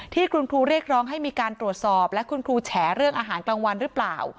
ที่คุณครูเรียกร้องให้มีการตรวจสอบและคุณครูแฉเรื่องอาหารกลางวันหรือเปล่า